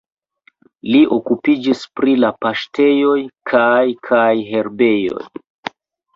Li okupiĝis pri la paŝtejoj kaj kaj herbejoj.